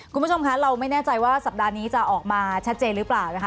คุณผู้ชมคะเราไม่แน่ใจว่าสัปดาห์นี้จะออกมาชัดเจนหรือเปล่านะคะ